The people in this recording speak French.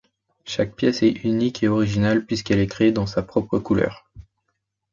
Chaque pièce est unique et originale puisqu'elle est créée dans sa propre couleur.